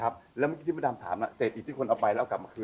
แล้วเมื่อกี้ที่พระดำถามเศษอิดที่คนเอาไปแล้วเอากลับมาคืน